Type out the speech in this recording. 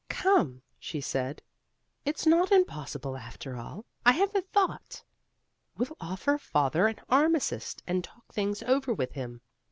"Come," she said, "it's not impossible after all. I have a thought. We'll offer Father an armistice and talk things over with him.